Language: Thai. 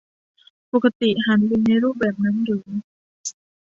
ปกติห่านบินในรูปแบบนั้นหรือ